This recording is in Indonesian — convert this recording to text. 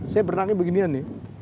saya berenangnya beginian nih